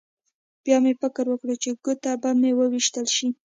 بیا مې فکر وکړ چې ګوته به مې وویشتل شي